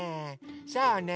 そうねえ。